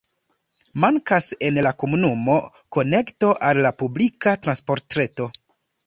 Mankas en la komunumo konekto al la publika transportreto.